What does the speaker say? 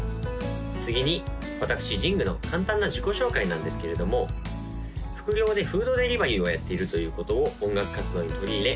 次に私ＪＩＮＧＵの簡単な自己紹介なんですけれども副業でフードデリバリーをやっているということを音楽活動に取り入れ